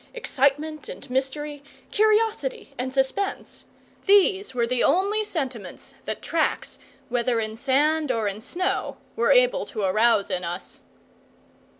Excitement and mystery, curiosity and suspense these were the only sentiments that tracks, whether in sand or in snow, were able to arouse in us.